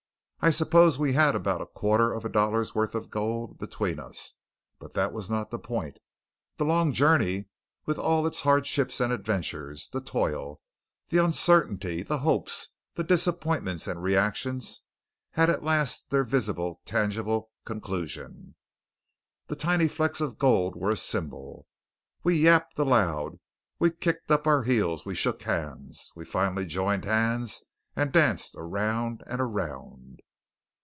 I suppose we had about a quarter of a dollar's worth of gold between us, but that was not the point. The long journey with all its hardships and adventures, the toil, the uncertainty, the hopes, the disappointments and reactions had at last their visible tangible conclusion. The tiny flecks of gold were a symbol. We yapped aloud, we kicked up our heels, we shook hands, we finally joined hands and danced around and around.